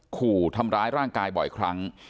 ขู่ทำร้ายร่างกายบ่อยครั้ง